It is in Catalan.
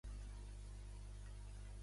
El seu cognom és Pozo: pe, o, zeta, o.